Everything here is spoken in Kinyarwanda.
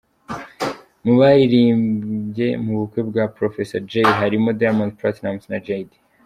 Mu baririmbye mu bukwe bwa Proffessor Jay harimo Diamond Platnumz na Jay Dee.